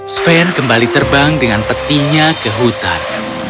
sven kembali terbang dengan petinya ke hutan